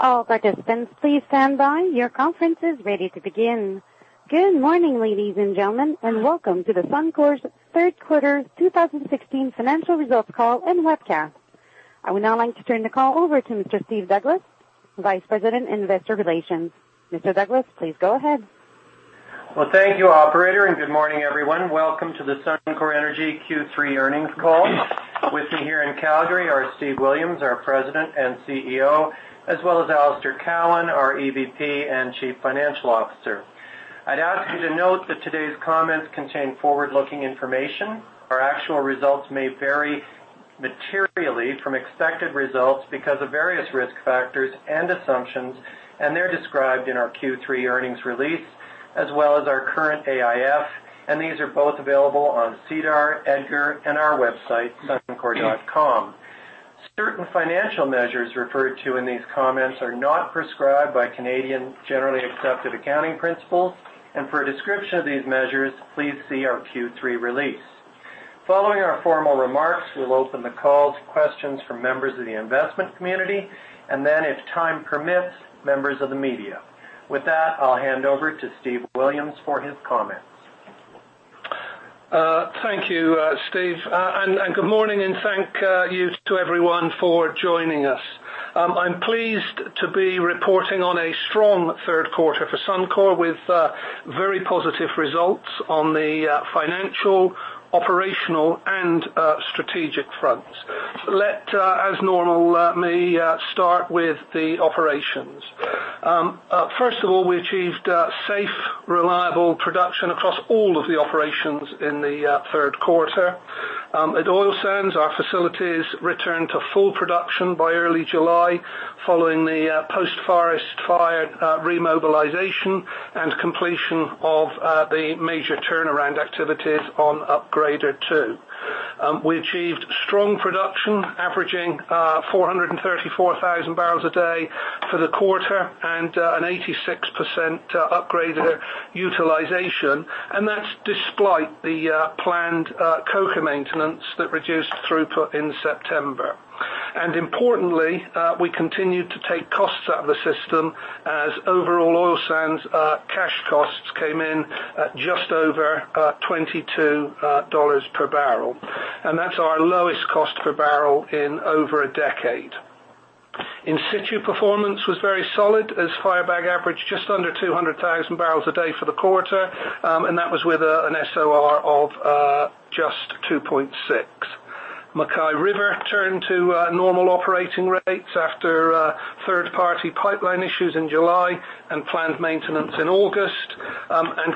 All participants, please stand by. Your conference is ready to begin. Good morning, ladies and gentlemen, and welcome to the Suncor's third quarter 2016 financial results call and webcast. I would now like to turn the call over to Mr. Steve Douglas, Vice President, Investor Relations. Mr. Douglas, please go ahead. Thank you operator, and good morning, everyone. Welcome to the Suncor Energy Q3 earnings call. With me here in Calgary are Steve Williams, our President and CEO, as well as Alister Cowan, our EVP and Chief Financial Officer. I'd ask you to note that today's comments contain forward-looking information. Our actual results may vary materially from expected results because of various risk factors and assumptions. They're described in our Q3 earnings release, as well as our current AIF, and these are both available on SEDAR, EDGAR, and our website, suncor.com. Certain financial measures referred to in these comments are not prescribed by Canadian generally accepted accounting principles. For a description of these measures, please see our Q3 release. Following our formal remarks, we'll open the call to questions from members of the investment community, and then, if time permits, members of the media. With that, I'll hand over to Steve Williams for his comments. Thank you, Steve, and good morning, and thank you to everyone for joining us. I'm pleased to be reporting on a strong third quarter for Suncor with very positive results on the financial, operational, and strategic fronts. Let, as normal, me start with the operations. First of all, we achieved safe, reliable production across all of the operations in the third quarter. At Oil Sands, our facilities returned to full production by early July, following the post-forest fire remobilization and completion of the major turnaround activities on Upgrader 2. We achieved strong production, averaging 434,000 barrels a day for the quarter and an 86% Upgrader utilization. That's despite the planned coker maintenance that reduced throughput in September. Importantly, we continued to take costs out of the system as overall Oil Sands cash costs came in at just over 22 dollars per barrel. That's our lowest cost per barrel in over a decade. In situ performance was very solid, as Firebag averaged just under 200,000 barrels a day for the quarter, and that was with an SOR of just 2.6. MacKay River returned to normal operating rates after third-party pipeline issues in July and planned maintenance in August.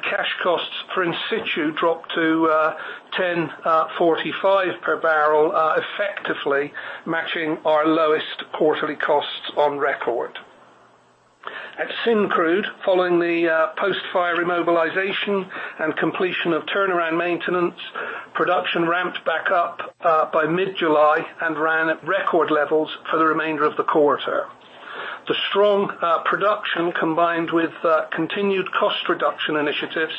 Cash costs for in situ dropped to 10.45 per barrel, effectively matching our lowest quarterly costs on record. At Syncrude, following the post-fire remobilization and completion of turnaround maintenance, production ramped back up by mid-July and ran at record levels for the remainder of the quarter. The strong production, combined with continued cost reduction initiatives,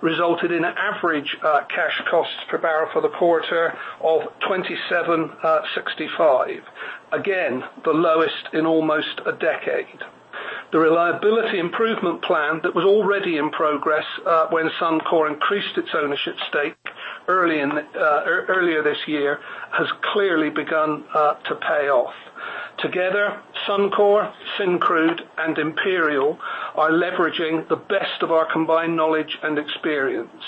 resulted in average cash costs per barrel for the quarter of 27.65, again, the lowest in almost a decade. The reliability improvement plan that was already in progress when Suncor increased its ownership stake earlier this year has clearly begun to pay off. Together, Suncor, Syncrude, and Imperial are leveraging the best of our combined knowledge and experience.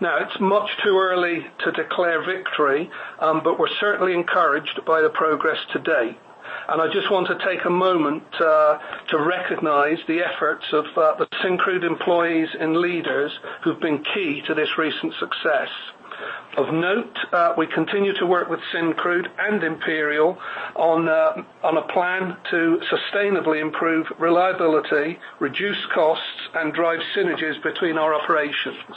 It's much too early to declare victory. We're certainly encouraged by the progress to date. I just want to take a moment to recognize the efforts of the Syncrude employees and leaders who've been key to this recent success. Of note, we continue to work with Syncrude and Imperial on a plan to sustainably improve reliability, reduce costs, and drive synergies between our operations.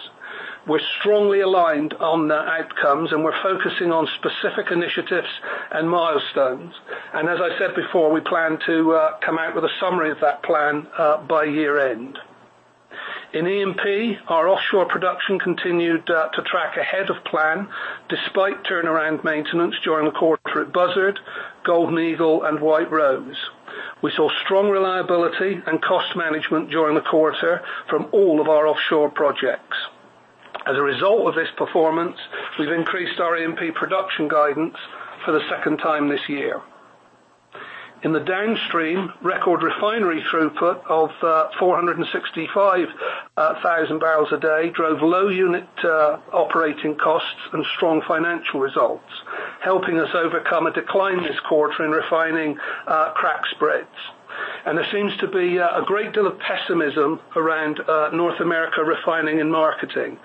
We're strongly aligned on outcomes. We're focusing on specific initiatives and milestones. As I said before, we plan to come out with a summary of that plan by year-end. In E&P, our offshore production continued to track ahead of plan despite turnaround maintenance during the quarter at Buzzard, Golden Eagle, and White Rose. We saw strong reliability and cost management during the quarter from all of our offshore projects. As a result of this performance, we've increased our E&P production guidance for the second time this year. In the Downstream, record refinery throughput of 465,000 barrels a day drove low unit operating costs and strong financial results, helping us overcome a decline this quarter in refining crack spreads. There seems to be a great deal of pessimism around North America refining and marketing.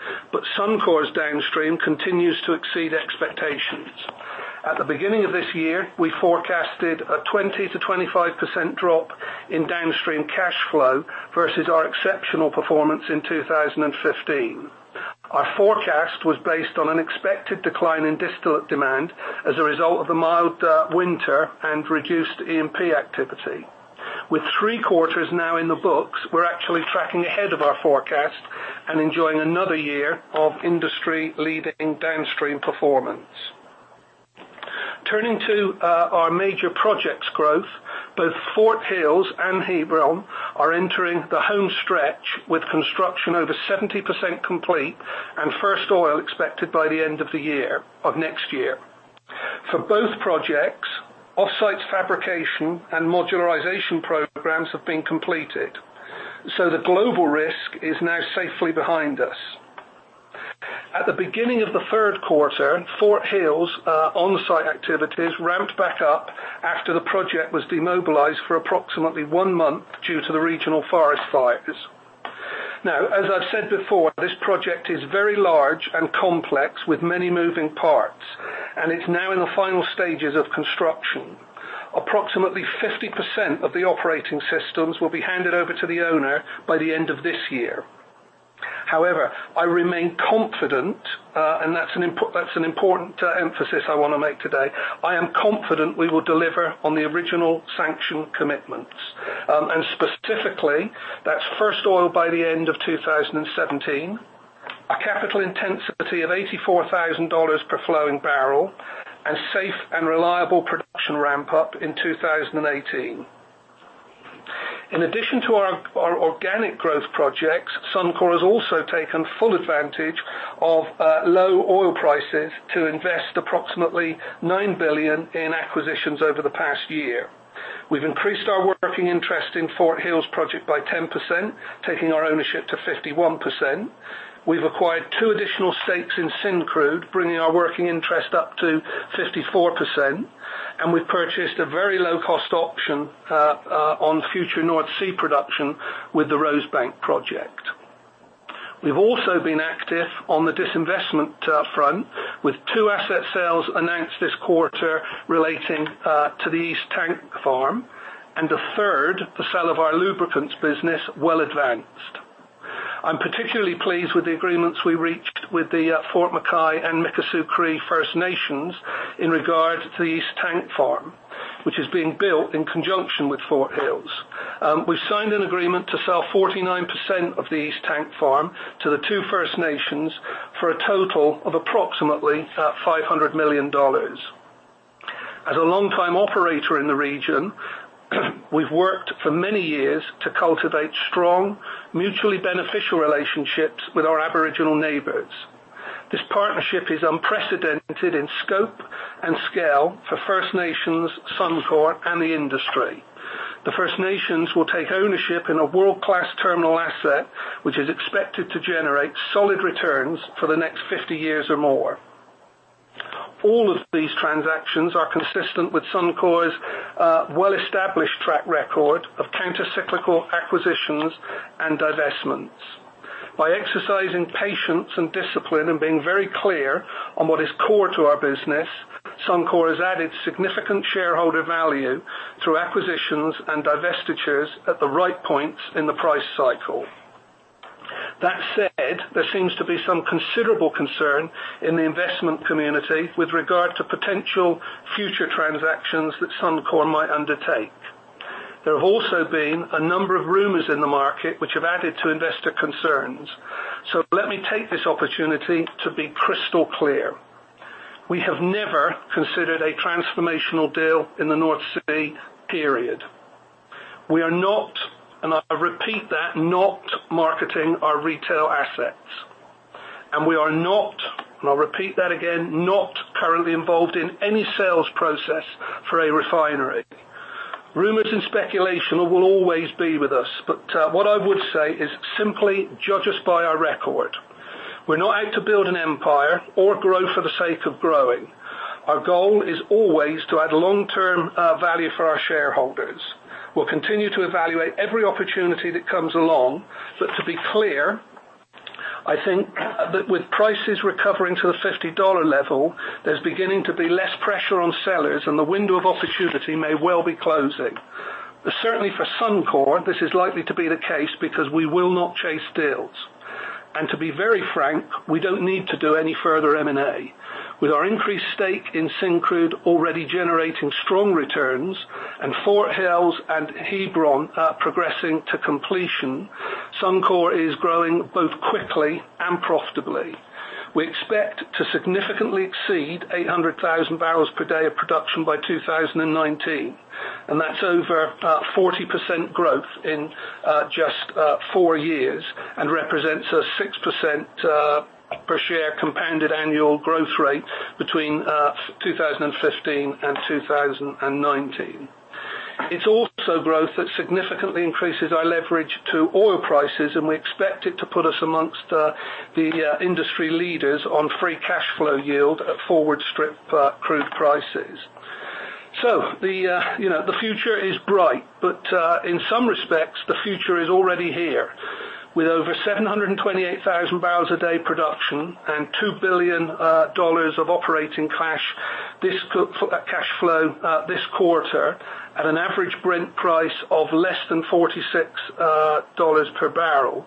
Suncor's Downstream continues to exceed expectations. At the beginning of this year, we forecasted a 20%-25% drop in Downstream cash flow versus our exceptional performance in 2015. Our forecast was based on an expected decline in distillate demand as a result of a mild winter and reduced E&P activity. With three quarters now in the books, we're actually tracking ahead of our forecast and enjoying another year of industry-leading Downstream performance. Turning to our major projects growth, both Fort Hills and Hebron are entering the home stretch with construction over 70% complete and first oil expected by the end of next year. For both projects, offsite fabrication and modularization programs have been completed. The global risk is now safely behind us. At the beginning of the third quarter, Fort Hills on-site activities ramped back up after the project was demobilized for approximately one month due to the regional forest fires. As I've said before, this project is very large and complex with many moving parts. It's now in the final stages of construction. Approximately 50% of the operating systems will be handed over to the owner by the end of this year. However, I remain confident, and that's an important emphasis I want to make today. I am confident we will deliver on the original sanction commitments. Specifically, that's first oil by the end of 2017, a capital intensity of 84,000 dollars per flowing barrel, and safe and reliable production ramp-up in 2018. In addition to our organic growth projects, Suncor has also taken full advantage of low oil prices to invest approximately 9 billion in acquisitions over the past year. We've increased our working interest in Fort Hills project by 10%, taking our ownership to 51%. We've acquired 2 additional stakes in Syncrude, bringing our working interest up to 54%, and we've purchased a very low-cost option on future North Sea production with the Rosebank project. We've also been active on the disinvestment front, with 2 asset sales announced this quarter relating to the East Tank Farm, and a third, the sale of our lubricants business, well advanced. I'm particularly pleased with the agreements we reached with the Fort McKay and Mikisew Cree First Nation in regard to the East Tank Farm, which is being built in conjunction with Fort Hills. We've signed an agreement to sell 49% of the East Tank Farm to the 2 First Nations for a total of approximately 500 million dollars. As a longtime operator in the region, we've worked for many years to cultivate strong, mutually beneficial relationships with our Aboriginal neighbors. This partnership is unprecedented in scope and scale for First Nations, Suncor, and the industry. The First Nations will take ownership in a world-class terminal asset, which is expected to generate solid returns for the next 50 years or more. All of these transactions are consistent with Suncor's well-established track record of countercyclical acquisitions and divestments. By exercising patience and discipline and being very clear on what is core to our business, Suncor has added significant shareholder value through acquisitions and divestitures at the right points in the price cycle. That said, there seems to be some considerable concern in the investment community with regard to potential future transactions that Suncor might undertake. There have also been a number of rumors in the market which have added to investor concerns. Let me take this opportunity to be crystal clear. We have never considered a transformational deal in the North Sea, period. We are not, and I repeat that, not marketing our retail assets. We are not, and I'll repeat that again, not currently involved in any sales process for a refinery. Rumors and speculation will always be with us, but what I would say is simply judge us by our record. We're not out to build an empire or grow for the sake of growing. Our goal is always to add long-term value for our shareholders. We'll continue to evaluate every opportunity that comes along. To be clear, I think that with prices recovering to the 50 dollar level, there's beginning to be less pressure on sellers, and the window of opportunity may well be closing. Certainly for Suncor, this is likely to be the case because we will not chase deals. To be very frank, we don't need to do any further M&A. With our increased stake in Syncrude already generating strong returns and Fort Hills and Hebron progressing to completion, Suncor is growing both quickly and profitably. We expect to significantly exceed 800,000 barrels per day of production by 2019, and that's over 40% growth in just four years and represents a 6% per share compounded annual growth rate between 2015 and 2019. It's also growth that significantly increases our leverage to oil prices, and we expect it to put us amongst the industry leaders on free cash flow yield at forward strip crude prices. The future is bright, but in some respects, the future is already here. With over 728,000 barrels a day production and 2 billion dollars of operating cash flow this quarter at an average Brent price of less than $46 per barrel,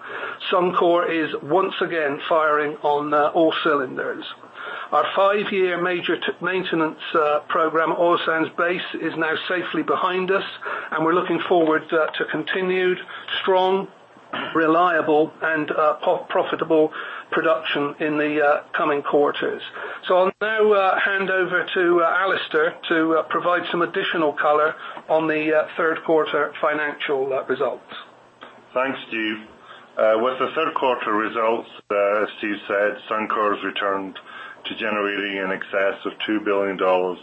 Suncor is once again firing on all cylinders. Our five-year major maintenance program at Oil Sands East is now safely behind us, and we're looking forward to continued strong, reliable, and profitable production in the coming quarters. I'll now hand over to Alister to provide some additional color on the third quarter financial results. Thanks, Steve. With the third quarter results, as Steve said, Suncor has returned to generating in excess of 2 billion dollars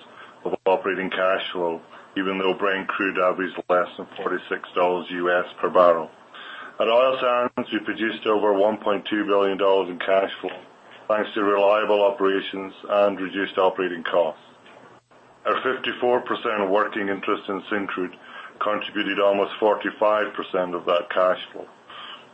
of operating cash flow, even though Brent crude average less than $46 per barrel. At Oil Sands, we produced over 1.2 billion dollars in cash flow thanks to reliable operations and reduced operating costs. Our 54% working interest in Syncrude contributed almost 45% of that cash flow.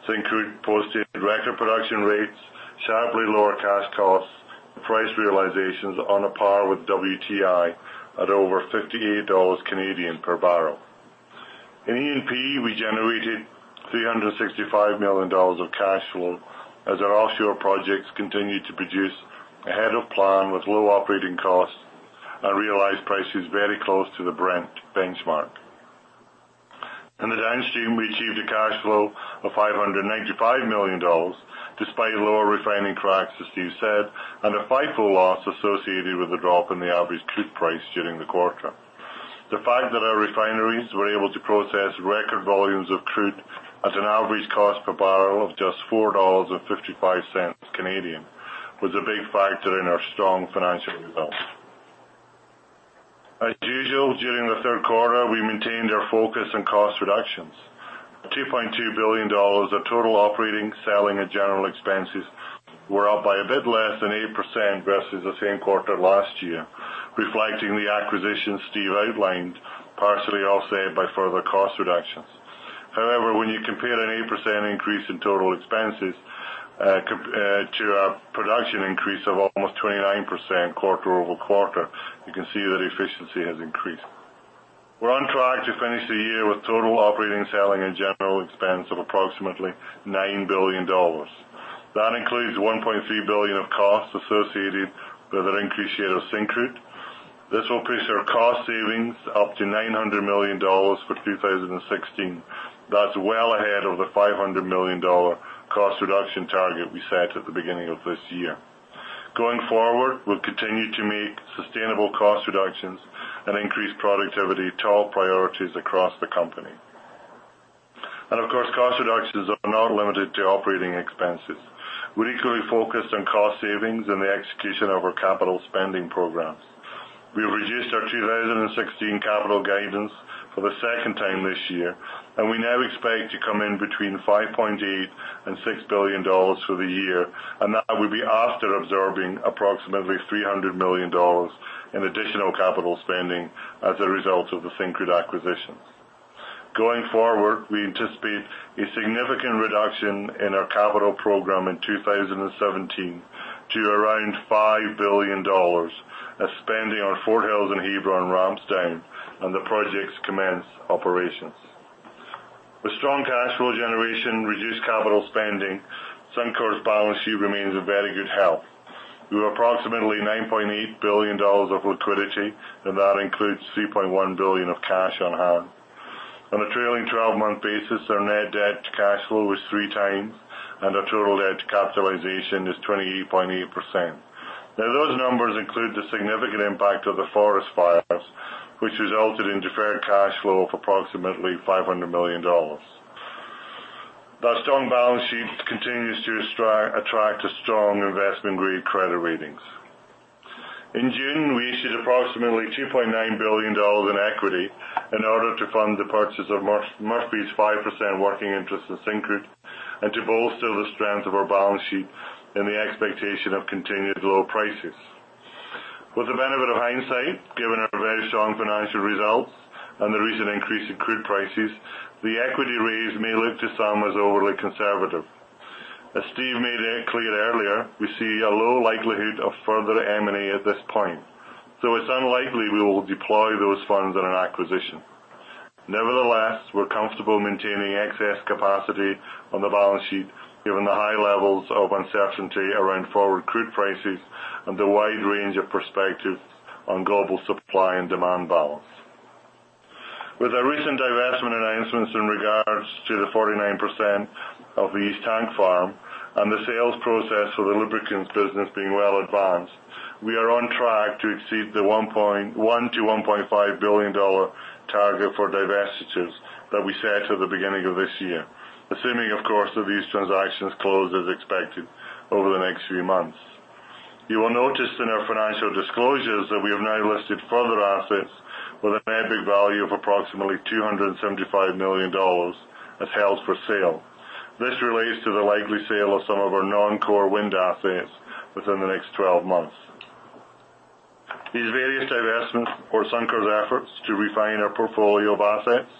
Syncrude posted record production rates, sharply lower cash costs, and price realizations on par with WTI at over 58 Canadian dollars per barrel. In E&P, we generated 365 million dollars of cash flow as our offshore projects continued to produce ahead of plan with low operating costs and realized prices very close to the Brent benchmark. In the downstream, we achieved a cash flow of 595 million dollars despite lower refining cracks, as Steve said, and a FIFO loss associated with the drop in the average crude price during the quarter. The fact that our refineries were able to process record volumes of crude at an average cost per barrel of just 4.55 Canadian dollars was a big factor in our strong financial results. As usual, during the third quarter, we maintained our focus on cost reductions. 2.2 billion dollars of total operating, selling, and general expenses were up by a bit less than 8% versus the same quarter last year, reflecting the acquisitions Steve outlined, partially offset by further cost reductions. However, when you compare an 8% increase in total expenses to a production increase of almost 29% quarter-over-quarter, you can see that efficiency has increased. We're on track to finish the year with total operating, selling, and general expense of approximately 9 billion dollars. That includes 1.3 billion of costs associated with an increased share of Syncrude. This will push our cost savings up to 900 million dollars for 2016. That's well ahead of the 500 million dollar cost reduction target we set at the beginning of this year. Going forward, we'll continue to make sustainable cost reductions and increase productivity top priorities across the company. Of course, cost reductions are not limited to operating expenses. We're equally focused on cost savings and the execution of our capital spending programs. We have reduced our 2016 capital guidance for the second time this year, and we now expect to come in between 5.8 billion and 6 billion dollars for the year, and that will be after absorbing approximately 300 million dollars in additional capital spending as a result of the Syncrude acquisition. Going forward, we anticipate a significant reduction in our capital program in 2017 to around 5 billion dollars as spending on Fort Hills and Hebron ramps down and the projects commence operations. With strong cash flow generation and reduced capital spending, Suncor's balance sheet remains in very good health. We have approximately 9.8 billion dollars of liquidity, and that includes 3.1 billion of cash on hand. On a trailing 12-month basis, our net debt to cash flow was three times, and our total debt to capitalization is 28.8%. Those numbers include the significant impact of the forest fires, which resulted in deferred cash flow of approximately 500 million dollars. That strong balance sheet continues to attract a strong investment-grade credit ratings. In June, we issued approximately 2.9 billion dollars in equity in order to fund the purchase of Murphy's 5% working interest in Syncrude and to bolster the strength of our balance sheet in the expectation of continued low prices. With the benefit of hindsight, given our very strong financial results and the recent increase in crude prices, the equity raise may look to some as overly conservative. As Steve made it clear earlier, we see a low likelihood of further M&A at this point, so it's unlikely we will deploy those funds on an acquisition. Nevertheless, we're comfortable maintaining excess capacity on the balance sheet given the high levels of uncertainty around forward crude prices and the wide range of perspectives on global supply and demand balance. With our recent divestment announcements in regards to the 49% of the East Tank Farm and the sales process for the lubricants business being well advanced, we are on track to exceed the 1 billion-1.5 billion dollar target for divestitures that we set at the beginning of this year, assuming, of course, that these transactions close as expected over the next few months. You will notice in our financial disclosures that we have now listed further assets with a net book value of approximately 275 million dollars as held for sale. This relates to the likely sale of some of our non-core wind assets within the next 12 months. These various divestments support Suncor's efforts to refine our portfolio of assets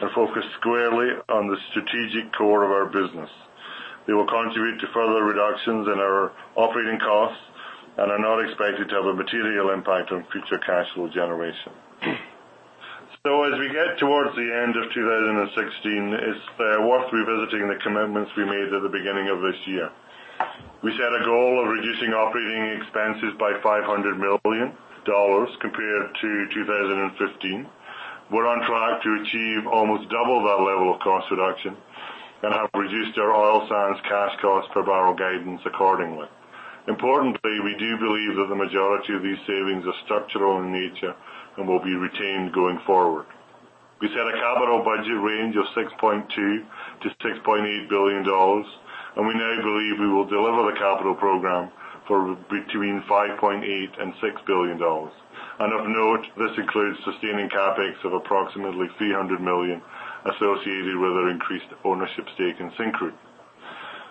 and focus squarely on the strategic core of our business. They will contribute to further reductions in our operating costs and are not expected to have a material impact on future cash flow generation. As we get towards the end of 2016, it's worth revisiting the commitments we made at the beginning of this year. We set a goal of reducing operating expenses by 500 million dollars compared to 2015. We're on track to achieve almost double that level of cost reduction and have reduced our oil sands cash cost per barrel guidance accordingly. Importantly, we do believe that the majority of these savings are structural in nature and will be retained going forward. We set a capital budget range of 6.2 billion-6.8 billion dollars, we now believe we will deliver the capital program for between 5.8 billion and 6 billion dollars. Of note, this includes sustaining CapEx of approximately 300 million associated with our increased ownership stake in Syncrude.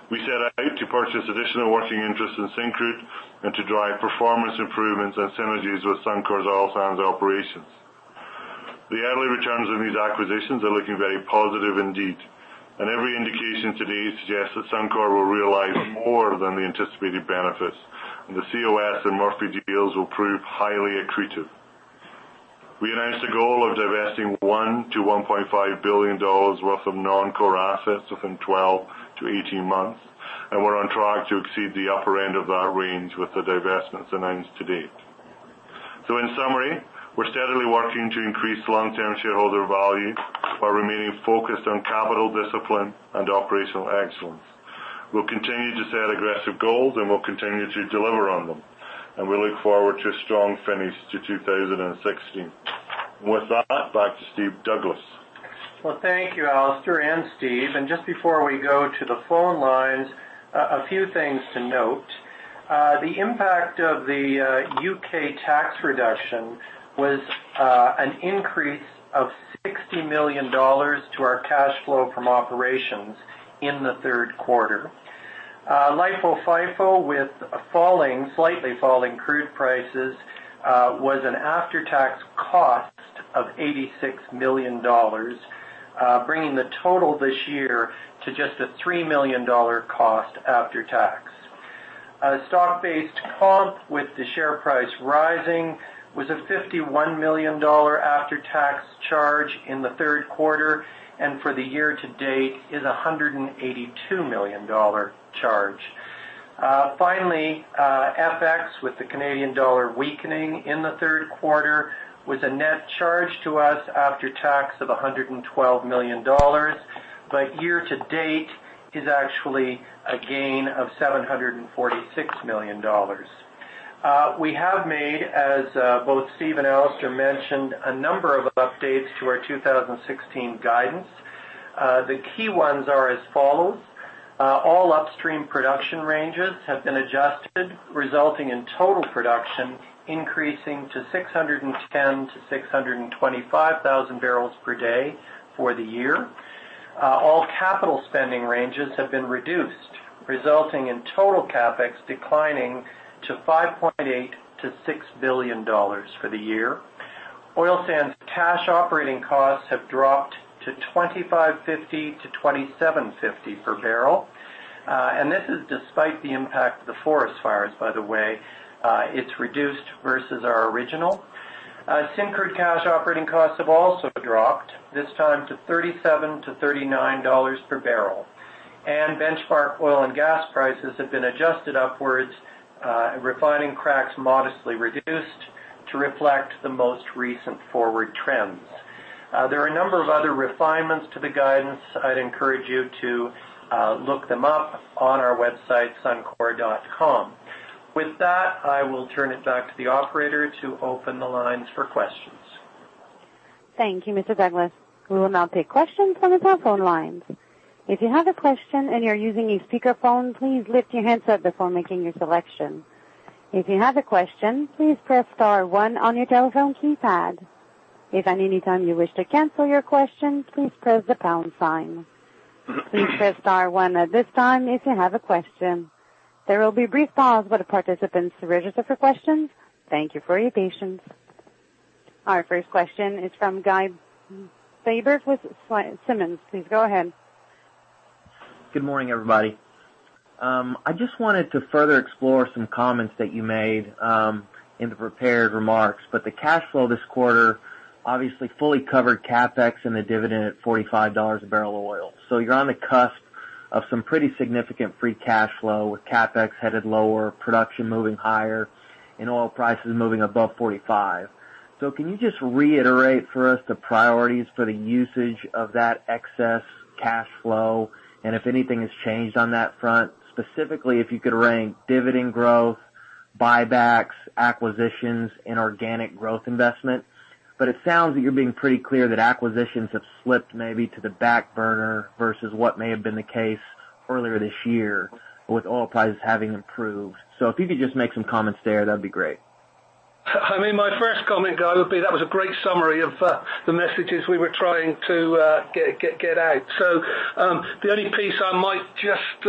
We set out to purchase additional working interest in Syncrude and to drive performance improvements and synergies with Suncor's oil sands operations. The early returns on these acquisitions are looking very positive indeed, every indication to date suggests that Suncor will realize more than the anticipated benefits, the COS and Murphy deals will prove highly accretive. We announced a goal of divesting 1 billion-1.5 billion dollars worth of non-core assets within 12 to 18 months, we're on track to exceed the upper end of that range with the divestments announced to date. In summary, we're steadily working to increase long-term shareholder value while remaining focused on capital discipline and operational excellence. We'll continue to set aggressive goals, we'll continue to deliver on them, we look forward to a strong finish to 2016. With that, back to Steve Douglas. Well, thank you, Alister and Steve. Just before we go to the phone lines, a few things to note. The impact of the U.K. tax reduction was an increase of 60 million dollars to our cash flow from operations in the third quarter. LIFO, FIFO with slightly falling crude prices was an after-tax cost of 86 million dollars, bringing the total this year to just a 3 million dollar cost after tax. Stock-based comp with the share price rising was a 51 million dollar after-tax charge in the third quarter, for the year to date is 182 million dollar charge. Finally, FX with the Canadian dollar weakening in the third quarter was a net charge to us after tax of 112 million dollars. Year to date is actually a gain of 746 million dollars. We have made, as both Steve and Alister mentioned, a number of updates to our 2016 guidance. The key ones are as follows. All upstream production ranges have been adjusted, resulting in total production increasing to 610,000-625,000 barrels per day for the year. All capital spending ranges have been reduced, resulting in total CapEx declining to 5.8 billion-6 billion dollars for the year. Oil sands cash operating costs have dropped to 25.50-27.50 per barrel. This is despite the impact of the forest fires, by the way. It's reduced versus our original. Syncrude cash operating costs have also dropped, this time to 37-39 dollars per barrel. Benchmark oil and gas prices have been adjusted upwards, refining cracks modestly reduced to reflect the most recent forward trends. There are a number of other refinements to the guidance. I'd encourage you to look them up on our website, suncor.com. With that, I will turn it back to the operator to open the lines for questions. Thank you, Mr. Douglas. We will now take questions from the telephone lines. If you have a question and you're using a speakerphone, please lift your handset before making your selection. If you have a question, please press star one on your telephone keypad. If at any time you wish to cancel your question, please press the pound sign. Please press star one at this time if you have a question. There will be a brief pause while the participants register for questions. Thank you for your patience. Our first question is from Guy Faber with Simmons. Please go ahead. Good morning, everybody. I just wanted to further explore some comments that you made in the prepared remarks, but the cash flow this quarter obviously fully covered CapEx and the dividend at 45 dollars a barrel of oil. You're on the cusp of some pretty significant free cash flow with CapEx headed lower, production moving higher, and oil prices moving above 45. Can you just reiterate for us the priorities for the usage of that excess cash flow and if anything has changed on that front? Specifically, if you could rank dividend growth, buybacks, acquisitions, and organic growth investment. It sounds that you're being pretty clear that acquisitions have slipped maybe to the back burner versus what may have been the case earlier this year with oil prices having improved. If you could just make some comments there, that'd be great. I mean, my first comment, Guy, would be that was a great summary of the messages we were trying to get out. The only piece I might just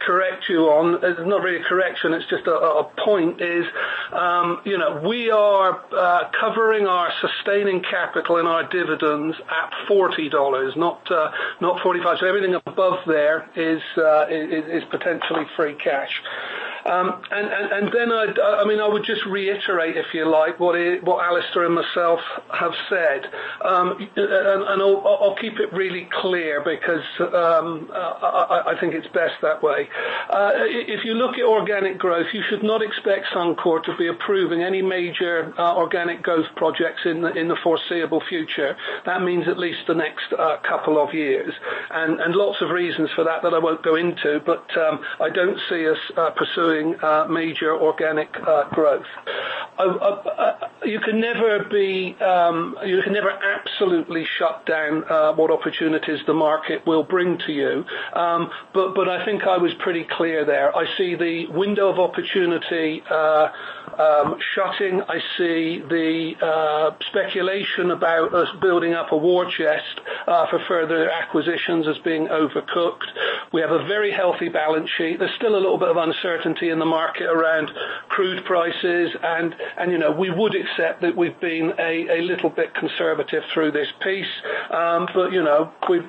correct you on, it's not really a correction, it's just a point, is we are covering our sustaining capital and our dividends at 40 dollars, not 45. Everything above there is potentially free cash. Then I would just reiterate, if you like, what Alister and myself have said. I'll keep it really clear because I think it's best that way. If you look at organic growth, you should not expect Suncor to be approving any major organic growth projects in the foreseeable future. That means at least the next couple of years. Lots of reasons for that that I won't go into, but I don't see us pursuing major organic growth. You can never absolutely shut down what opportunities the market will bring to you, but I think I was pretty clear there. I see the window of opportunity shutting. I see the speculation about us building up a war chest for further acquisitions as being overcooked. We have a very healthy balance sheet. There's still a little bit of uncertainty in the market around crude prices, we would accept that we've been a little bit conservative through this piece.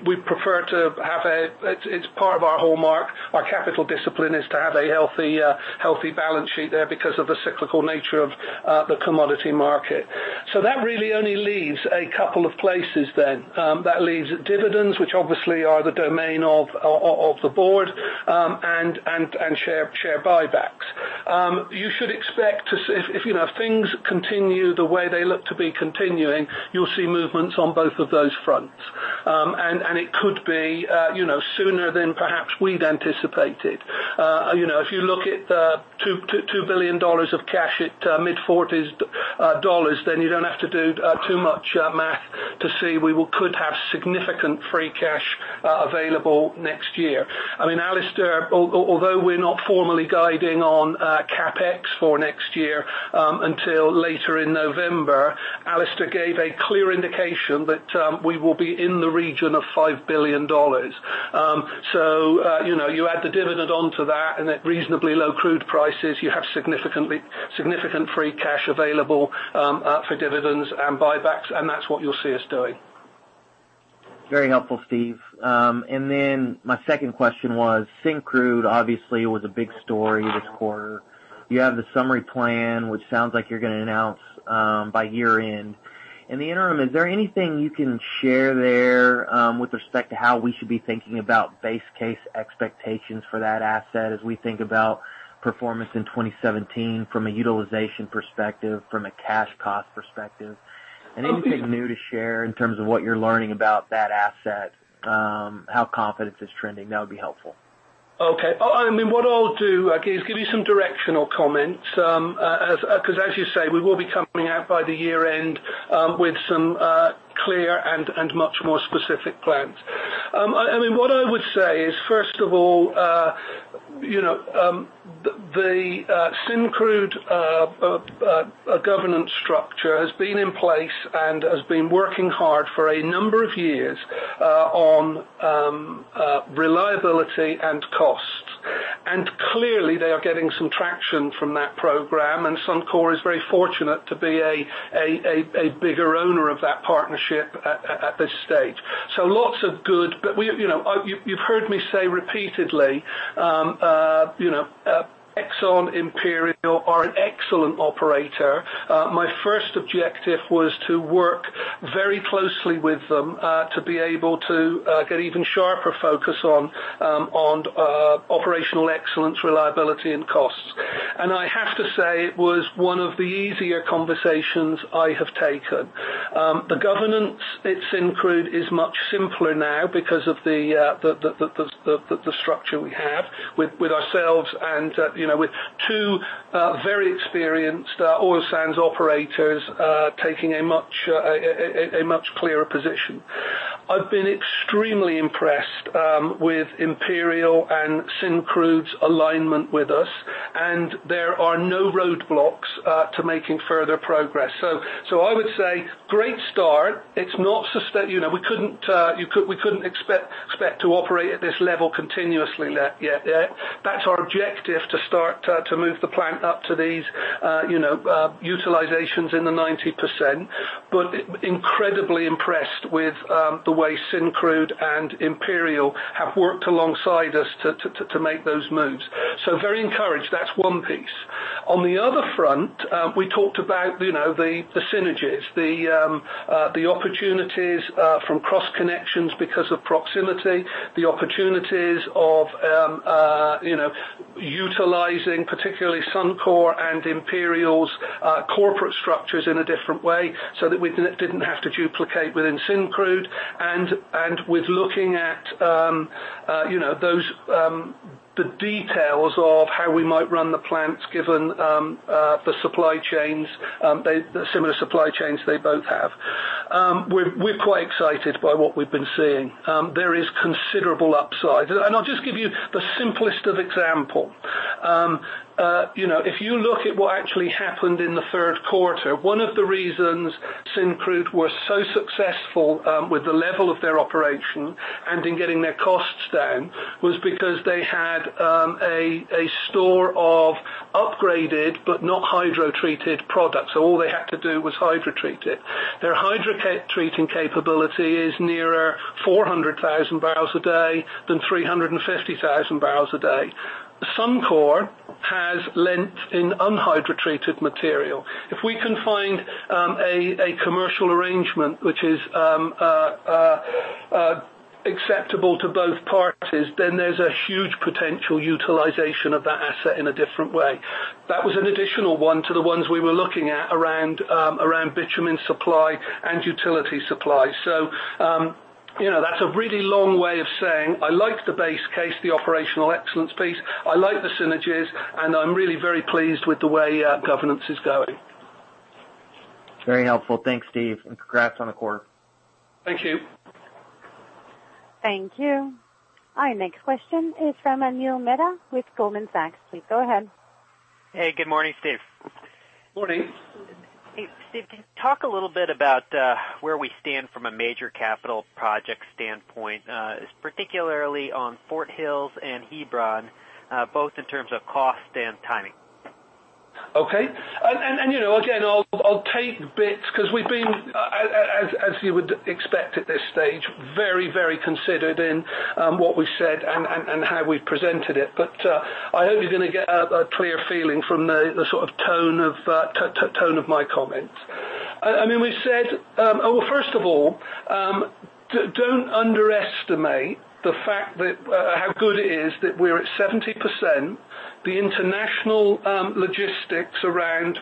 We'd prefer to have it's part of our hallmark. Our capital discipline is to have a healthy balance sheet there because of the cyclical nature of the commodity market. That really only leaves a couple of places then. That leaves dividends, which obviously are the domain of the board, and share buybacks. You should expect to see if things continue the way they look to be continuing, you'll see movements on both of those fronts. It could be sooner than perhaps we'd anticipated. If you look at the 2 billion dollars of cash at mid-forties dollars, you don't have to do too much math to see we could have significant free cash available next year. Although we're not formally guiding on CapEx for next year until later in November, Alister gave a clear indication that we will be in the region of 5 billion dollars. You add the dividend onto that, and at reasonably low crude prices, you have significant free cash available for dividends and buybacks, and that's what you'll see us doing. Very helpful, Steve. My second question was Syncrude obviously was a big story this quarter. You have the summary plan, which sounds like you are going to announce by year-end. In the interim, is there anything you can share there with respect to how we should be thinking about base case expectations for that asset as we think about performance in 2017 from a utilization perspective, from a cash cost perspective? Anything new to share in terms of what you are learning about that asset? How confidence is trending? That would be helpful. Okay. What I will do is give you some directional comments, because as you say, we will be coming out by the year-end with some clear and much more specific plans. What I would say is, first of all, the Syncrude governance structure has been in place and has been working hard for a number of years on reliability and cost. Clearly they are getting some traction from that program, and Suncor is very fortunate to be a bigger owner of that partnership at this stage. So lots of good. You have heard me say repeatedly, Exxon, Imperial are an excellent operator. My first objective was to work very closely with them, to be able to get even sharper focus on operational excellence, reliability and costs. I have to say, it was one of the easier conversations I have taken. The governance at Syncrude is much simpler now because of the structure we have with ourselves and with two very experienced oil sands operators taking a much clearer position. I have been extremely impressed with Imperial and Syncrude's alignment with us, there are no roadblocks to making further progress. I would say, great start. We could not expect to operate at this level continuously yet. That is our objective, to start to move the plant up to these utilizations in the 90%. Incredibly impressed with the way Syncrude and Imperial have worked alongside us to make those moves. Very encouraged. That is one piece. On the other front, we talked about the synergies. The opportunities from cross connections because of proximity, the opportunities of utilizing particularly Suncor and Imperial's corporate structures in a different way so that we did not have to duplicate within Syncrude. With looking at the details of how we might run the plants given the similar supply chains they both have. We are quite excited by what we have been seeing. There is considerable upside. I will just give you the simplest of example. If you look at what actually happened in the third quarter, one of the reasons Syncrude were so successful with the level of their operation and in getting their costs down was because they had a store of Upgraded but not hydrotreated products. All they had to do was hydrotreat it. Their hydrotreating capability is nearer 400,000 barrels a day than 350,000 barrels a day. Suncor has lent in unhydrotreated material. If we can find a commercial arrangement which is acceptable to both parties, there is a huge potential utilization of that asset in a different way. That was an additional one to the ones we were looking at around bitumen supply and utility supply. That's a really long way of saying, I like the base case, the operational excellence piece. I like the synergies, and I'm really very pleased with the way governance is going. Very helpful. Thanks, Steve, and congrats on the quarter. Thank you. Thank you. Our next question is from Neil Mehta with Goldman Sachs. Please go ahead. Hey, good morning, Steve. Morning. Steve, can you talk a little bit about where we stand from a major capital project standpoint, particularly on Fort Hills and Hebron, both in terms of cost and timing? Okay. Again, I'll take bits because we've been, as you would expect at this stage, very considered in what we've said and how we've presented it. I hope you're going to get a clear feeling from the tone of my comments. First of all, don't underestimate how good it is that we're at 70%. The international logistics around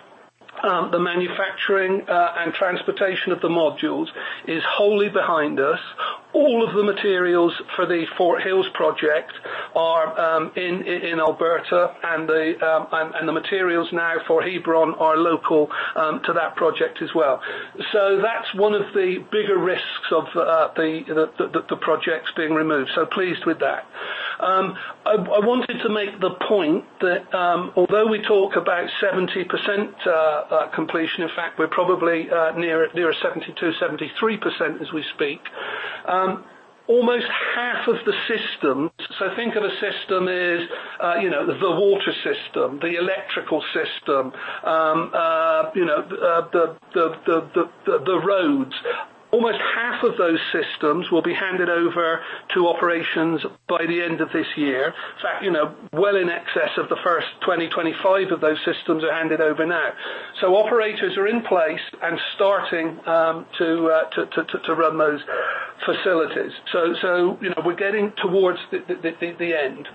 the manufacturing and transportation of the modules is wholly behind us. All of the materials for the Fort Hills project are in Alberta, and the materials now for Hebron are local to that project as well. That's one of the bigger risks of the projects being removed. Pleased with that. I wanted to make the point that although we talk about 70% completion, in fact, we're probably nearer 72%, 73% as we speak. Almost half of the systems, think of a system as the water system, the electrical system, the roads. Almost half of those systems will be handed over to operations by the end of this year. In fact, well in excess of the first 20, 25 of those systems are handed over now. Operators are in place and starting to run those facilities. We're getting towards the end.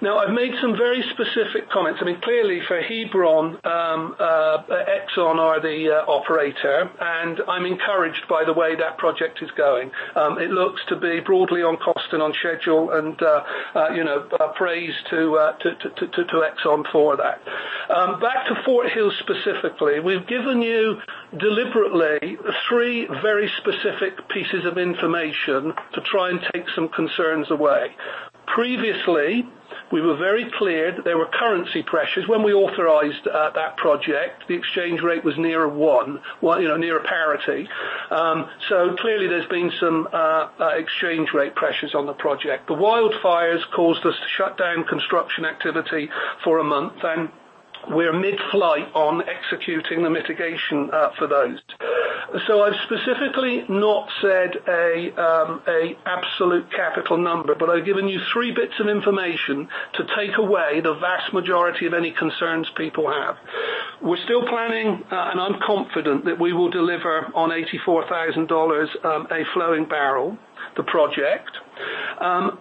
Now, I've made some very specific comments. Clearly for Hebron, Exxon are the operator, and I'm encouraged by the way that project is going. It looks to be broadly on cost and on schedule and praise to Exxon for that. Back to Fort Hills specifically, we've given you deliberately three very specific pieces of information to try and take some concerns away. Previously, we were very clear that there were currency pressures. When we authorized that project, the exchange rate was nearer one, near parity. Clearly there's been some exchange rate pressures on the project. The wildfires caused us to shut down construction activity for a month, and we're mid-flight on executing the mitigation for those. I've specifically not said an absolute capital number, but I've given you three bits of information to take away the vast majority of any concerns people have. We're still planning, and I'm confident that we will deliver on 84,000 dollars a flowing barrel, the project.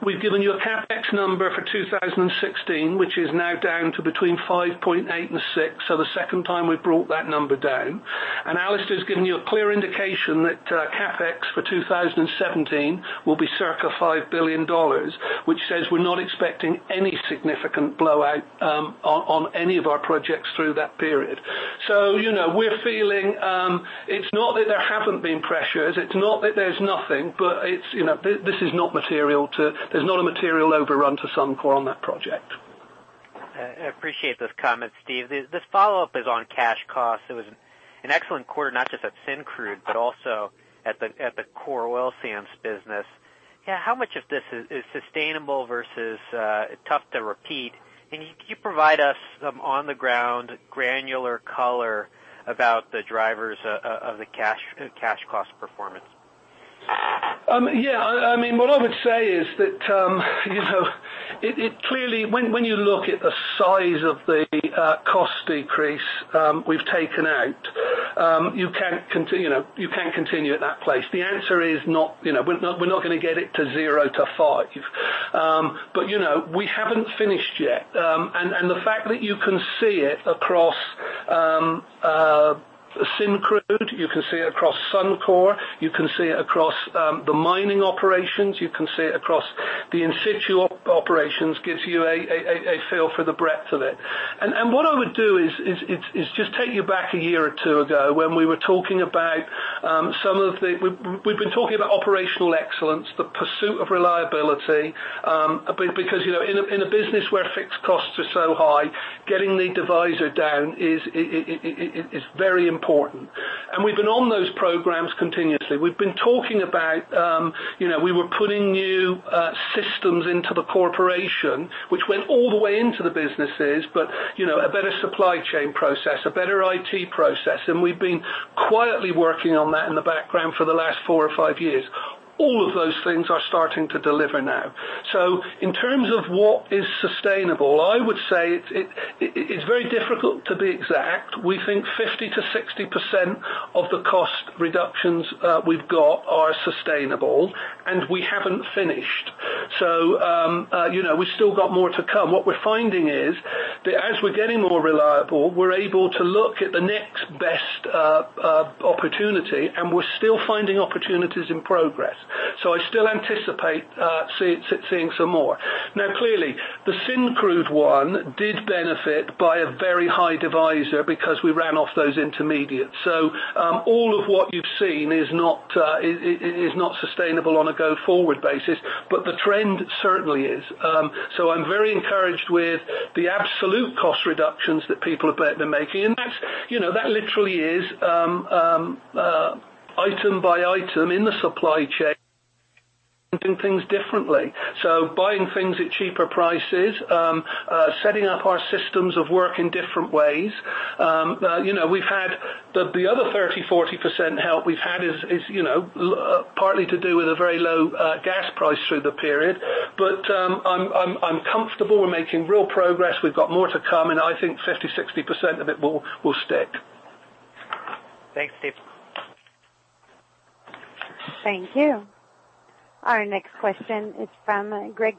We've given you a CapEx number for 2016, which is now down to between 5.8 billion and 6 billion, the second time we've brought that number down. Alister's given you a clear indication that CapEx for 2017 will be circa 5 billion dollars, which says we're not expecting any significant blowout on any of our projects through that period. We're feeling, it's not that there haven't been pressures, it's not that there's nothing, but there's not a material overrun to Suncor on that project. I appreciate those comments, Steve. This follow-up is on cash costs. It was an excellent quarter, not just at Syncrude, but also at the Core Oil Sands business. How much of this is sustainable versus tough to repeat? Can you provide us some on-the-ground granular color about the drivers of the cash cost performance? Yeah. What I would say is that clearly when you look at the size of the cost decrease we've taken out, you can continue at that place. The answer is we're not going to get it to zero to five. We haven't finished yet. The fact that you can see it across Syncrude, you can see it across Suncor, you can see it across the mining operations, you can see it across the in-situ operations, gives you a feel for the breadth of it. What I would do is just take you back a year or two ago when we were talking about operational excellence, the pursuit of reliability. In a business where fixed costs are so high, getting the divisor down is very important. We've been on those programs continuously. We've been talking about we were putting new systems into the corporation, which went all the way into the businesses, but a better supply chain process, a better IT process. We've been quietly working on that in the background for the last four or five years. All of those things are starting to deliver now. In terms of what is sustainable, I would say it's very difficult to be exact. We think 50%-60% of the cost reductions we've got are sustainable, and we haven't finished. We still got more to come. What we're finding is that as we're getting more reliable, we're able to look at the next best opportunity, and we're still finding opportunities in progress. I still anticipate seeing some more. Clearly, the Syncrude one did benefit by a very high divisor because we ran off those intermediates. All of what you've seen is not sustainable on a go-forward basis, but the trend certainly is. I'm very encouraged with the absolute cost reductions that people have been making. That literally is item by item in the supply chain, doing things differently. Buying things at cheaper prices, setting up our systems of work in different ways. The other 30%-40% help we've had is partly to do with a very low gas price through the period. I'm comfortable we're making real progress. We've got more to come, and I think 50%-60% of it will stick. Thanks, Steve. Thank you. Our next question is from Greg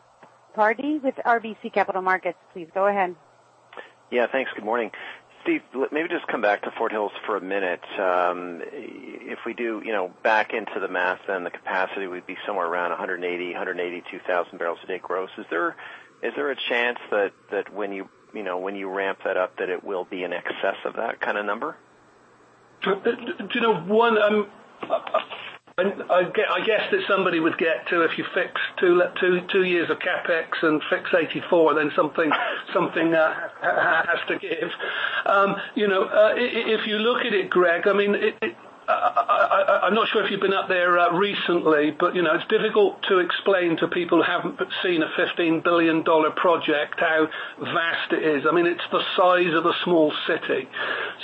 Pardy with RBC Capital Markets. Please go ahead. Yeah. Thanks. Good morning. Steve, maybe just come back to Fort Hills for a minute. If we do back into the math, then the capacity would be somewhere around 180,000, 182,000 barrels a day gross. Is there a chance that when you ramp that up, that it will be in excess of that kind of number? I guess that somebody would get to if you fix two years of CapEx and fix 84, something has to give. If you look at it, Greg, I'm not sure if you've been up there recently, but it's difficult to explain to people who haven't seen a 15 billion dollar project how vast it is. It's the size of a small city.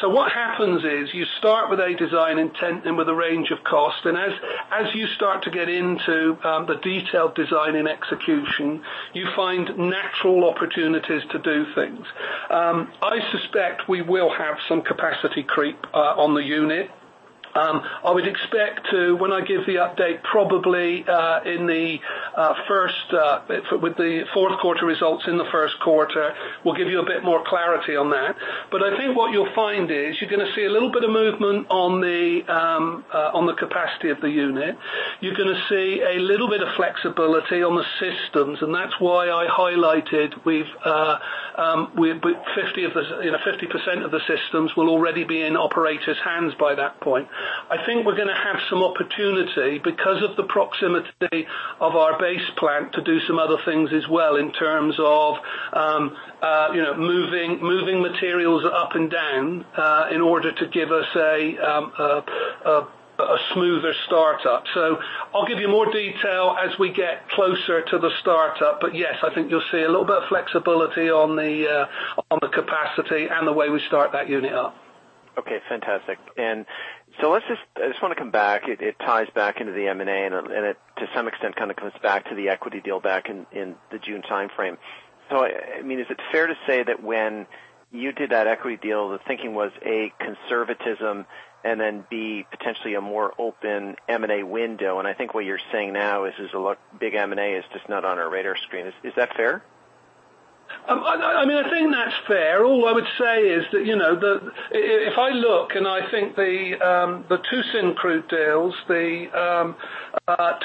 What happens is you start with a design intent and with a range of cost, and as you start to get into the detailed design and execution, you find natural opportunities to do things. I suspect we will have some capacity creep on the unit. I would expect to, when I give the update, probably with the fourth quarter results in the first quarter, we'll give you a bit more clarity on that. I think what you'll find is you're going to see a little bit of movement on the capacity of the unit. You're going to see a little bit of flexibility on the systems, and that's why I highlighted 50% of the systems will already be in operators' hands by that point. I think we're going to have some opportunity because of the proximity of our base plant to do some other things as well in terms of moving materials up and down in order to give us a smoother startup. I'll give you more detail as we get closer to the startup, yes, I think you'll see a little bit of flexibility on the capacity and the way we start that unit up. Okay, fantastic. I just want to come back. It ties back into the M&A and it, to some extent, comes back to the equity deal back in the June timeframe. Is it fair to say that when you did that equity deal, the thinking was, A, conservatism, and then B, potentially a more open M&A window? I think what you're saying now is big M&A is just not on our radar screen. Is that fair? I think that's fair. All I would say is that if I look and I think the two Syncrude deals, the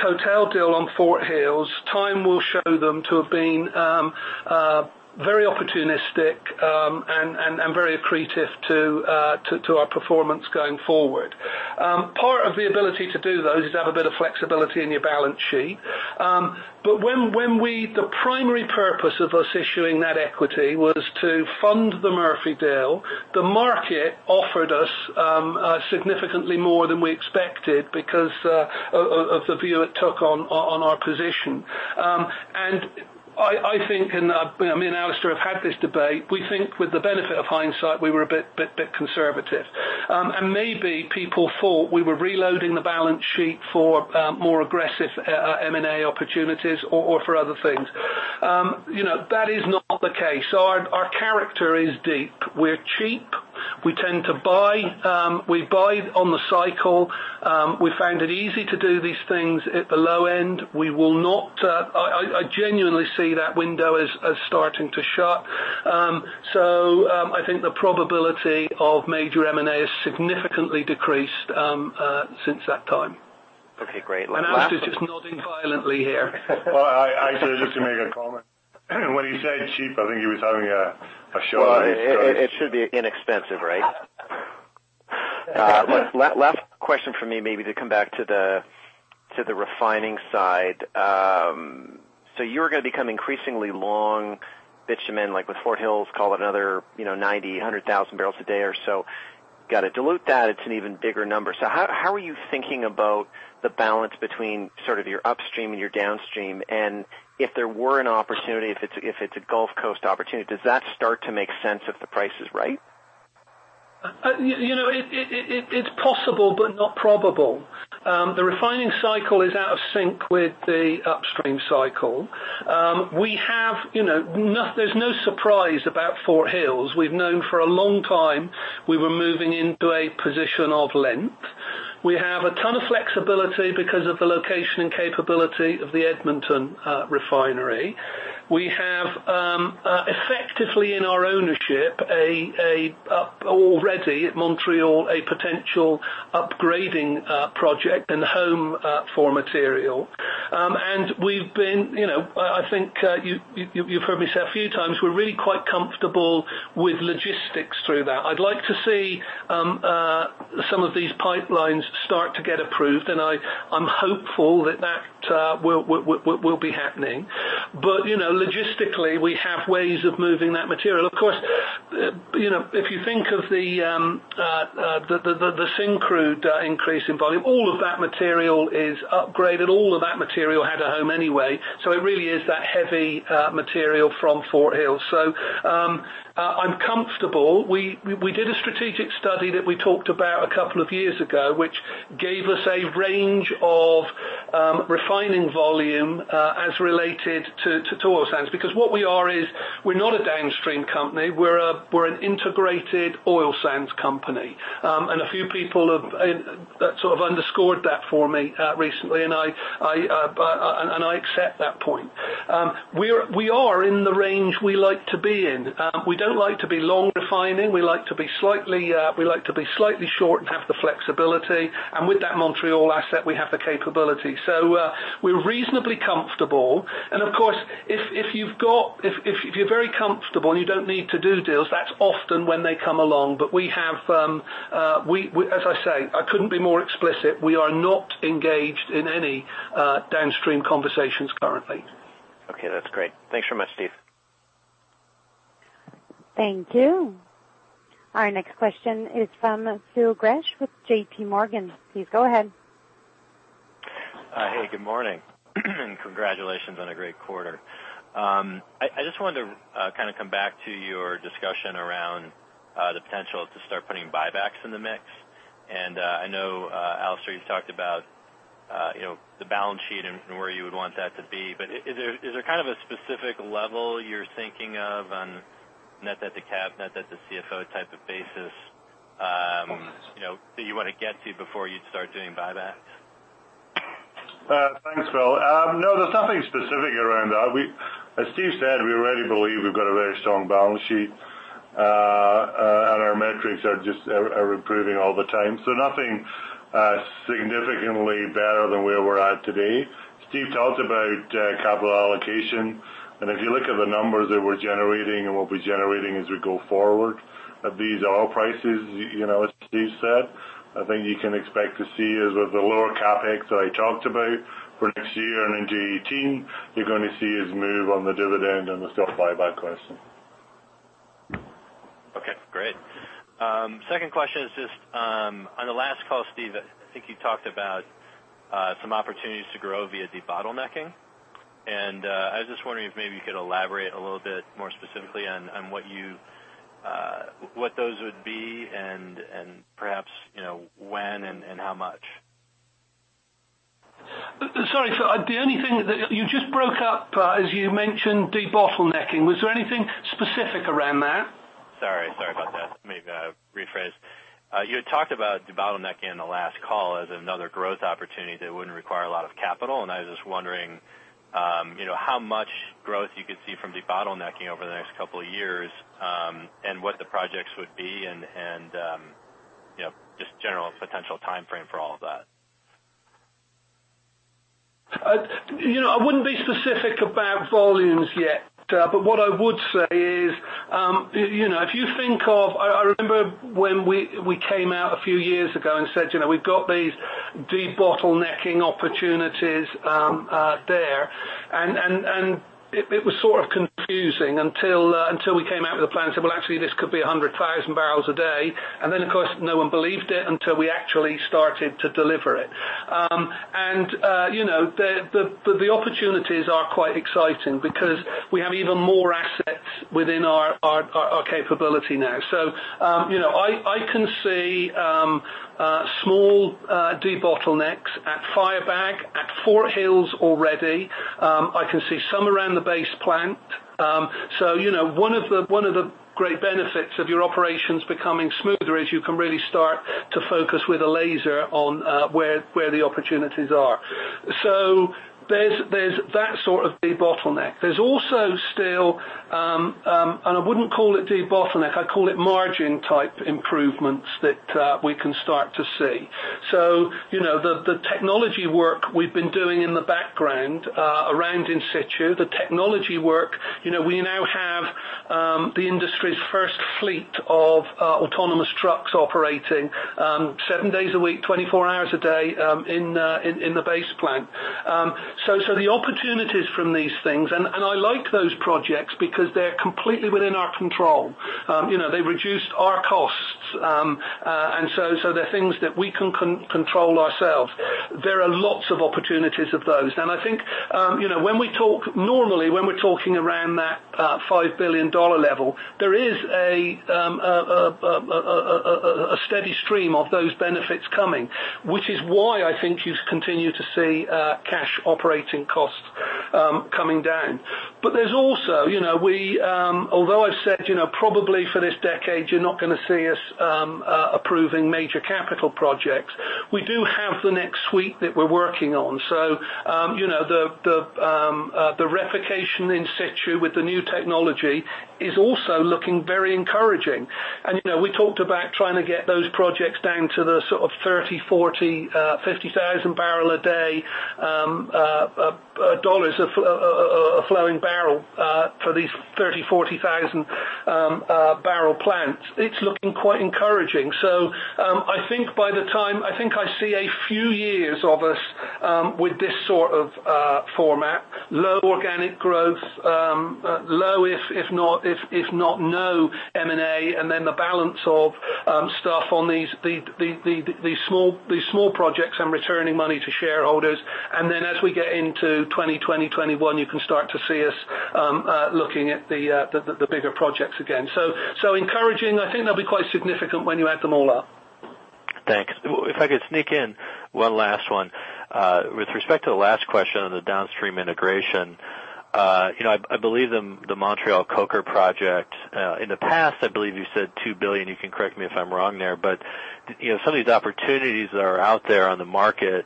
Total deal on Fort Hills, time will show them to have been very opportunistic and very accretive to our performance going forward. Part of the ability to do those is to have a bit of flexibility in your balance sheet. The primary purpose of us issuing that equity was to fund the Murphy deal. The market offered us significantly more than we expected because of the view it took on our position. Me and Alister have had this debate. We think with the benefit of hindsight, we were a bit conservative. Maybe people thought we were reloading the balance sheet for more aggressive M&A opportunities or for other things. That is not the case. Our character is deep. We're cheap. We tend to buy. We buy on the cycle. We found it easy to do these things at the low end. I genuinely see that window as starting to shut. I think the probability of major M&A has significantly decreased since that time. Okay, great. Alister is just nodding violently here. Well, just to make a comment. When he said cheap, I think he was having a shot. Well, it should be inexpensive, right? Last question from me, maybe to come back to the refining side. You are going to become increasingly long bitumen, like with Fort Hills, call it another 90,000, 100,000 barrels a day or so. Got to dilute that. It's an even bigger number. How are you thinking about the balance between sort of your upstream and your downstream? If there were an opportunity, if it's a Gulf Coast opportunity, does that start to make sense if the price is right? It's possible but not probable. The refining cycle is out of sync with the upstream cycle. There's no surprise about Fort Hills. We've known for a long time we were moving into a position of length. We have a ton of flexibility because of the location and capability of the Edmonton Refinery. We have, effectively in our ownership, already at Montreal, a potential upgrading project and home for material. I think you've heard me say a few times, we're really quite comfortable with logistics through that. I'd like to see some of these pipelines start to get approved, and I'm hopeful that will be happening. Logistically, we have ways of moving that material. Of course, if you think of the Syncrude increase in volume, all of that material is upgraded. All of that material had a home anyway. It really is that heavy material from Fort Hills. I'm comfortable. We did a strategic study that we talked about a couple of years ago, which gave us a range of refining volume as related to oil sands. What we are is, we're not a downstream company. We're an integrated oil sands company. A few people have sort of underscored that for me recently, and I accept that point. We are in the range we like to be in. We don't like to be long refining. We like to be slightly short and have the flexibility. With that Montreal asset, we have the capability. We are reasonably comfortable. Of course, if you're very comfortable and you don't need to do deals, that's often when they come along. As I say, I couldn't be more explicit. We are not engaged in any downstream conversations currently. Okay. That's great. Thanks so much, Steve. Thank you. Our next question is from Phil Gresh with JPMorgan. Please go ahead. Hey, good morning. Congratulations on a great quarter. I just wanted to kind of come back to your discussion around the potential to start putting buybacks in the mix. I know, Alister, you've talked about the balance sheet and where you would want that to be, but is there kind of a specific level you're thinking of on net debt to CapEx, net debt to CFO type of basis. Of course that you want to get to before you'd start doing buybacks? Thanks, Phil. There's nothing specific around that. As Steve said, we already believe we've got a very strong balance sheet. Our metrics are improving all the time. Nothing significantly better than where we're at today. Steve talked about capital allocation, and if you look at the numbers that we're generating and will be generating as we go forward at these oil prices, as Steve said, I think you can expect to see is with the lower CapEx that I talked about for next year and into 2018, you're going to see us move on the dividend and the stock buyback question. Okay. Great. Second question is just, on the last call, Steve, I think you talked about some opportunities to grow via debottlenecking, and I was just wondering if maybe you could elaborate a little bit more specifically on what those would be and perhaps when and how much. Sorry, Phil. You just broke up as you mentioned debottlenecking. Was there anything specific around that? Sorry about that. Maybe if I rephrase. You had talked about debottlenecking in the last call as another growth opportunity that wouldn't require a lot of capital. I was just wondering how much growth you could see from debottlenecking over the next couple of years, what the projects would be and just general potential timeframe for all of that. I wouldn't be specific about volumes yet. What I would say is, I remember when we came out a few years ago and said, "We've got these debottlenecking opportunities there." It was sort of confusing until we came out with a plan and said, "Well, actually, this could be 100,000 barrels a day." Then, of course, no one believed it until we actually started to deliver it. The opportunities are quite exciting because we have even more assets within our capability now. I can see small debottlenecks at Firebag, at Fort Hills already. I can see some around the Base Plant. One of the great benefits of your operations becoming smoother is you can really start to focus with a laser on where the opportunities are. There's that sort of debottleneck. There's also still, I wouldn't call it debottleneck, I'd call it margin-type improvements that we can start to see. The technology work we've been doing in the background around in situ, the technology work, we now have the industry's first fleet of autonomous trucks operating seven days a week, 24 hours a day in the Base Plant. The opportunities from these things, I like those projects because they're completely within our control. They reduced our costs. They're things that we can control ourselves. There are lots of opportunities of those. I think normally, when we're talking around that 5 billion dollar level, there is a steady stream of those benefits coming, which is why I think you continue to see cash operating costs coming down. Although I've said probably for this decade, you're not going to see us approving major capital projects, we do have the next suite that we're working on. The replication in situ with the new technology is also looking very encouraging. We talked about trying to get those projects down to the sort of 30,000, 40,000, 50,000 barrel a day dollars of -barrel for these 30,000, 40,000 barrel plants. It's looking quite encouraging. I think I see a few years of us with this sort of format, low organic growth, low if not no M&A, and then the balance of stuff on these small projects and returning money to shareholders. As we get into 2020, 2021, you can start to see us looking at the bigger projects again. Encouraging. I think they'll be quite significant when you add them all up. Thanks. If I could sneak in one last one. With respect to the last question on the downstream integration, I believe the Montreal Coker Project, in the past, I believe you said $2 billion. You can correct me if I'm wrong there. Some of these opportunities that are out there on the market,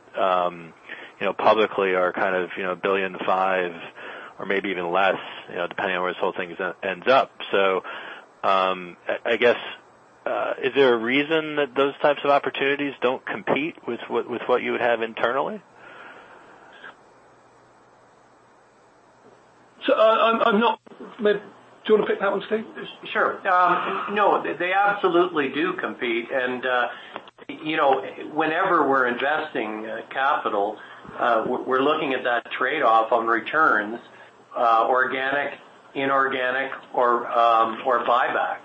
publicly are $1.5 billion or maybe even less, depending on where this whole thing ends up. Is there a reason that those types of opportunities don't compete with what you have internally? Do you want to pick that one, Steve? No, they absolutely do compete. Whenever we're investing capital, we're looking at that trade-off on returns, organic, inorganic, or buyback.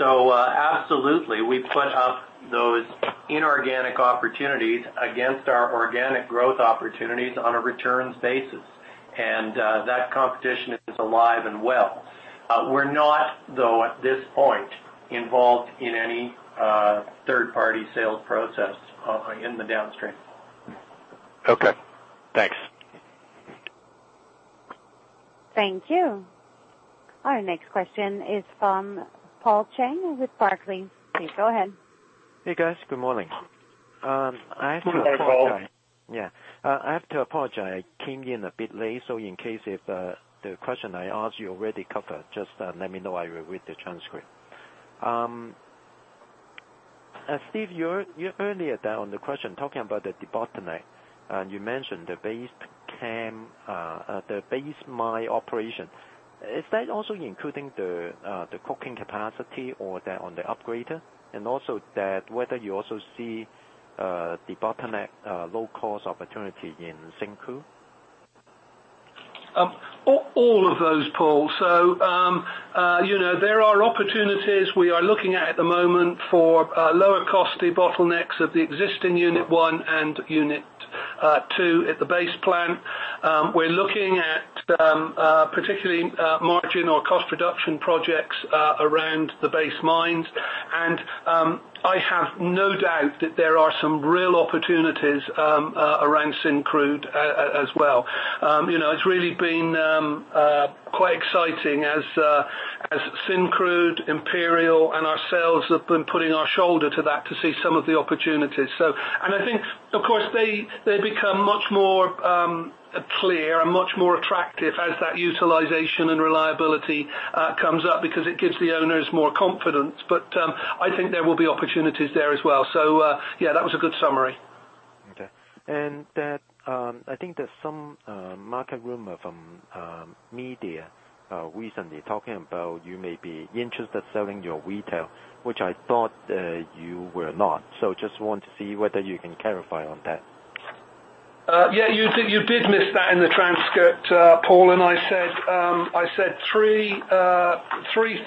Absolutely, we put up those inorganic opportunities against our organic growth opportunities on a returns basis, and that competition is alive and well. We're not, though, at this point, involved in any third-party sales process in the downstream. Okay, thanks. Thank you. Our next question is from Paul Cheng with Barclays. Please go ahead. Hey, guys. Good morning. Good morning, Paul. I have to apologize. I came in a bit late, so in case if the question I ask you already covered, just let me know. I will read the transcript. Steve, you earlier on the question talking about the bottleneck, and you mentioned the Base Mine operation. Is that also including the coking capacity or on the upgrader? Whether you also see bottleneck low-cost opportunity in Syncrude? All of those, Paul. There are opportunities we are looking at at the moment for lower cost bottlenecks of the existing unit 1 and unit 2 at the Base Plant. We're looking at particularly margin or cost reduction projects around the Base Mines. I have no doubt that there are some real opportunities around Syncrude as well. It's really been quite exciting as Syncrude, Imperial, and ourselves have been putting our shoulder to that to see some of the opportunities. I think, of course, they become much more clear and much more attractive as that utilization and reliability comes up because it gives the owners more confidence. But I think there will be opportunities there as well. Yeah, that was a good summary. Okay. I think there's some market rumor from media recently talking about you may be interested selling your retail, which I thought you were not. Just want to see whether you can clarify on that. Yeah, you did miss that in the transcript, Paul, I said three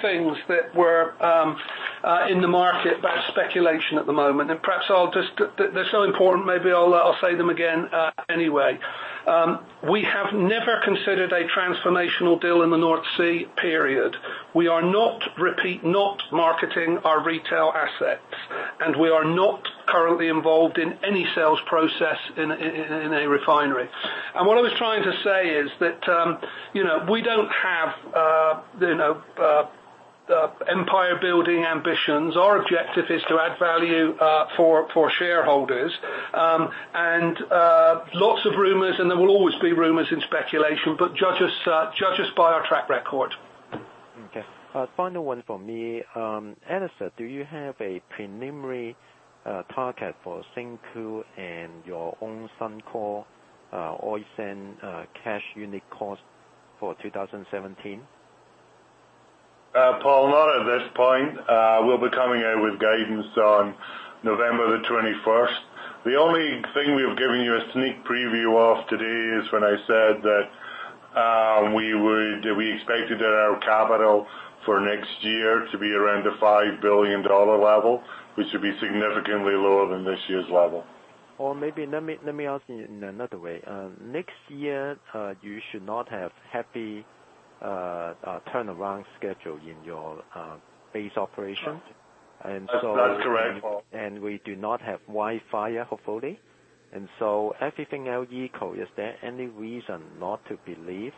things that were in the market that are speculation at the moment. Perhaps they're so important, maybe I'll say them again anyway. We have never considered a transformational deal in the North Sea, period. We are not, repeat, not marketing our retail assets. We are not currently involved in any sales process in a refinery. What I was trying to say is that we don't have empire building ambitions. Our objective is to add value for shareholders. Lots of rumors, there will always be rumors and speculation, but judge us by our track record. Okay. Final one for me. Alister, do you have a preliminary target for Syncrude and your own Suncor oil sand cash unit cost for 2017? Paul, not at this point. We'll be coming out with guidance on November 21st. The only thing we've given you a sneak preview of today is when I said that we expected our capital for next year to be around the 5 billion dollar level, which should be significantly lower than this year's level. Maybe let me ask you in another way. Next year, you should not have heavy turnaround schedule in your base operations. That's correct, Paul. We do not have wildfire, hopefully. Everything else equal, is there any reason not to believe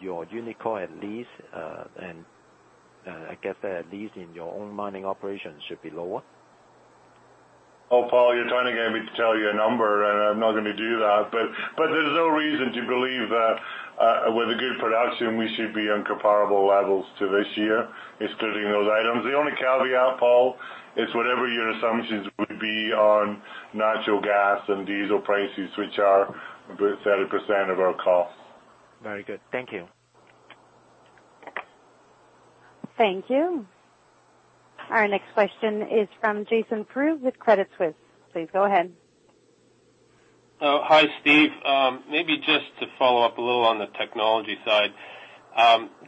your unit cost, at least in your own mining operations, should be lower? Oh, Paul, you're trying to get me to tell you a number, and I'm not going to do that. There's no reason to believe that with good production, we should be on comparable levels to this year, excluding those items. The only caveat, Paul, is whatever your assumptions would be on natural gas and diesel prices, which are 30% of our cost. Very good. Thank you. Thank you. Our next question is from Jason Proulx with Credit Suisse. Please go ahead. Hi, Steve. Maybe just to follow up a little on the technology side.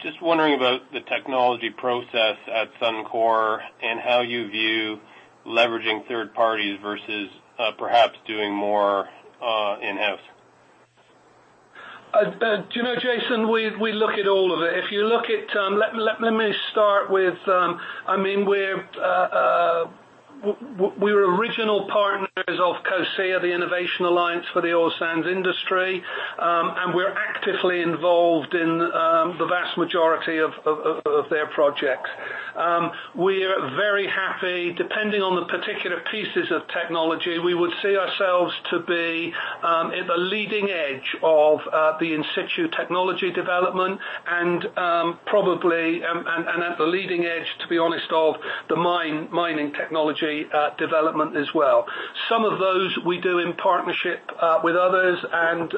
Just wondering about the technology process at Suncor and how you view leveraging third parties versus perhaps doing more in-house. You know, Jason, we look at all of it. Let me start with, we're original partners of COSIA, the Innovation Alliance for the oil sands industry, and we're actively involved in the vast majority of their projects. We're very happy. Depending on the particular pieces of technology, we would see ourselves to be at the leading edge of the in situ technology development and at the leading edge, to be honest, of the mining technology development as well. Some of those we do in partnership with others, and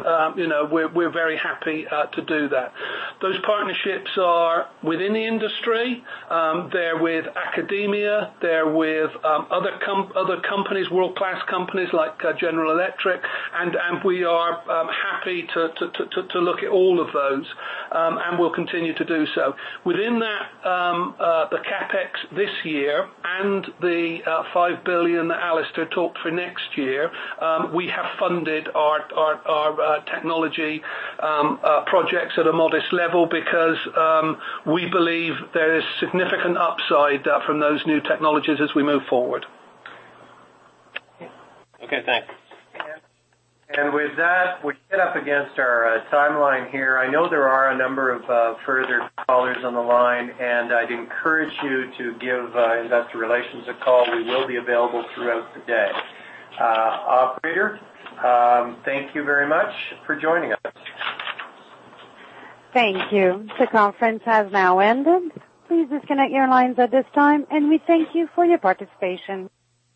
we're very happy to do that. Those partnerships are within the industry. They're with academia. They're with other companies, world-class companies like General Electric, and we are happy to look at all of those, and will continue to do so. Within that, the CapEx this year and the 5 billion that Alister talked for next year, we have funded our technology projects at a modest level because we believe there is significant upside from those new technologies as we move forward. Okay, thanks. With that, we're set up against our timeline here. I know there are a number of further callers on the line, and I'd encourage you to give investor relations a call. We will be available throughout the day. Operator, thank you very much for joining us. Thank you. The conference has now ended. Please disconnect your lines at this time, and we thank you for your participation.